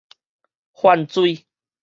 氾水